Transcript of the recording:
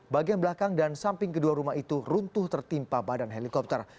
bagian belakang dan samping kedua rumah itu runtuh tertimpa badan helikopter